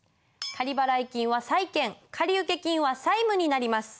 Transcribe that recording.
仮払金は債権仮受金は債務になります。